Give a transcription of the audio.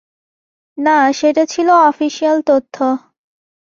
না, সেটা ছিল অফিসিয়াল তথ্য।